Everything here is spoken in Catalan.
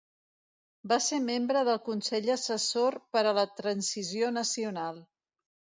Va ser membre del Consell Assessor per a la Transició Nacional.